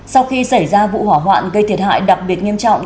sau khi xảy ra vụ hỏa hoạn gây thiệt hại đặc biệt nghiêm trọng